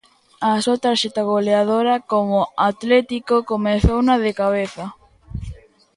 A súa tarxeta goleadora como atlético comezouna de cabeza.